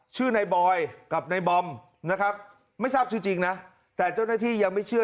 ชื่อในบอยกับในบอมนะครับไม่ทราบชื่อจริงนะแต่เจ้าหน้าที่ยังไม่เชื่อ